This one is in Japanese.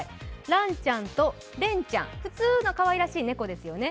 らんちゃんとれんちゃん、普通のかわいらしい猫ちゃんですよね。